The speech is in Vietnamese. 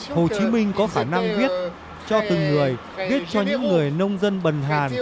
hồ chí minh có khả năng viết cho từng người viết cho những người nông dân bần hàn